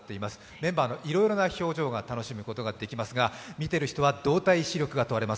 メンバーのいろいろな表情が楽しむことができますが見ている人は動体視力が問われます。